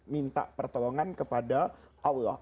minta pertolongan kepada allah